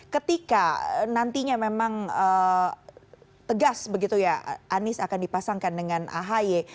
ketika nantinya memang tegas begitu ya anies akan dipasangkan dengan ahy